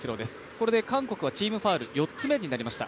これで韓国はチームファウル４つ目になりました。